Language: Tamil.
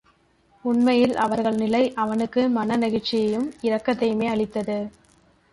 உண்மையில் அவர்கள் நிலை அவனுக்கு மன நெகிழ்ச்சியையும் இரக்கத்தையுமே அளித்தது.